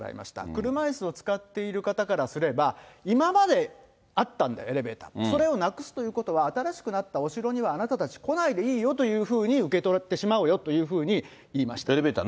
車いすを使っている方からすれば、今まであったんで、エレベーター、それをなくすということは、新しくなったお城にはあなたたち来ないでいいよというふうに受け取ってしまうよというふうに言いました。